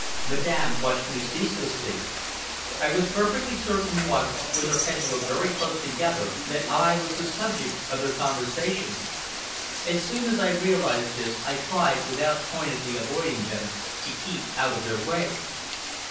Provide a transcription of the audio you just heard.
Madame watched me ceaselessly. I was perfectly certain once, when their heads were very close together, that I was the subject of their conversation. As soon as I realized this, I tried, without pointedly avoiding them, to keep out of their way.